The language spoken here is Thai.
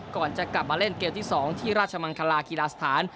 ก่อนจะกลับมาเล่นเกมที่๒ที่ราชมังคลากีฬาสถาน